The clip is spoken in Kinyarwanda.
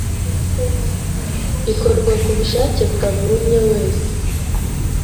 ikorwa ku bushake bwa buri umwe wese